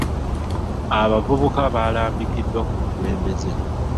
Abavubuka baalambikiddwa ku bukulembeze.